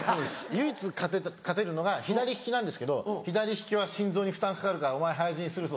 唯一勝てるのが左利きなんですけど「左利きは心臓に負担かかるからお前早死にするぞ」